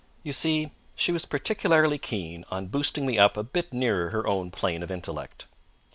You see, she was particularly keen on boosting me up a bit nearer her own plane of intellect.